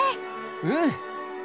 うん！